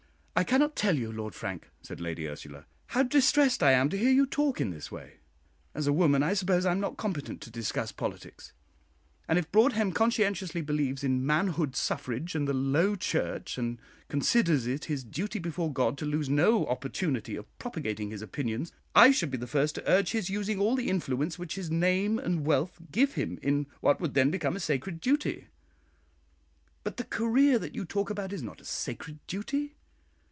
"I cannot tell you, Lord Frank," said Lady Ursula, "how distressed I am to hear you talk in this way. As a woman, I suppose I am not competent to discuss politics; and if Broadhem conscientiously believes in manhood suffrage and the Low Church, and considers it his duty before God to lose no opportunity of propagating his opinions, I should be the first to urge his using all the influence which his name and wealth give him in what would then become a sacred duty; but the career that you talk about is not a sacred duty.